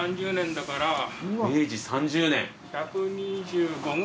明治３０年。